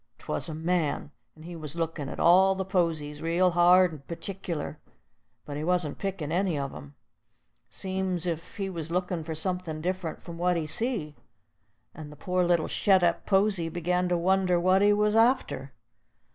'Twas a man, and he was lookin' at all the posies real hard and partic'lar, but he wasn't pickin' any of 'em. Seems's if he was lookin' for somethin' diff'rent from what he see, and the poor little shet up posy begun to wonder what he was arter.